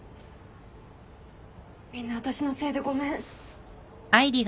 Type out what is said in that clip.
みんな私のせいでごめん。